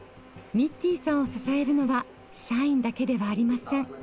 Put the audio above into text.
ニッティンさんを支えるのは社員だけではありません。